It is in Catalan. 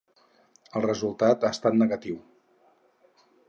El resultat ha estat negatiu.